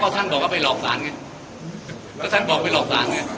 ก็สาธารณ์บอกว่าไปหลอกสานก็สาธารณ์บอกไปหลอกสาน